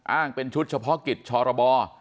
อ้างเป็นชุดเฉพาะกิจชรบ